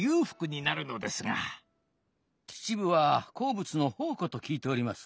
秩父は鉱物の宝庫と聞いております。